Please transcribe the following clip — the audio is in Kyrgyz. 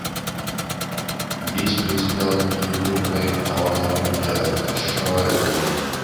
Биз принципиалдык түрдө украин товарларын ташыбайбыз.